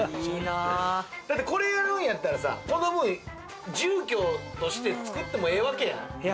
これやるんやったらさ、この分、住居として作ってもええわけやん。